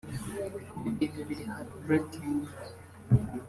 Ibi bintu biri heart breaking